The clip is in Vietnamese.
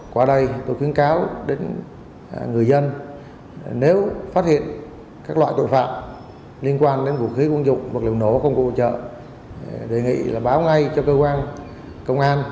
qua đây tôi khuyến cáo đến người dân nếu phát hiện các loại tội phạm liên quan đến vũ khí quân dụng mật liệu nổ không có hỗ trợ